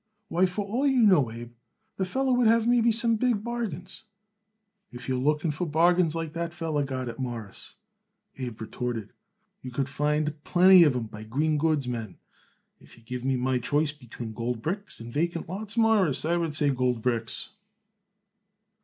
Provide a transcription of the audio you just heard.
"Why, for all you know, Abe, the feller would have maybe some big bargains." "If you are looking for bargains like that feller got it, Mawruss," Abe retorted, "you could find plenty of 'em by green goods men. If you give me my choice between gold bricks and vacant lots, Mawruss, I would say gold bricks."